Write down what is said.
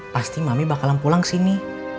pasti mami bakalan pulang kesini